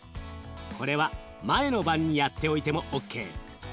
これは前の晩にやっておいてもＯＫ！